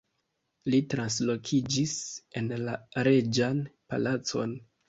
Li translokiĝis en la reĝan palacon.